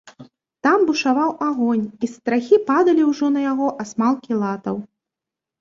Там бушаваў агонь, і з страхі падалі ўжо на яго асмалкі латаў.